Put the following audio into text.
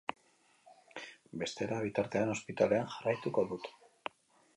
Bestela, bitartean, ospitalean jarraituko dut.